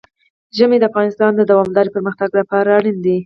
ژبې د افغانستان د دوامداره پرمختګ لپاره اړین دي.